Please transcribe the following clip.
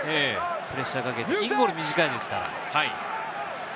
プレッシャーをかけて、インゴール短いですから。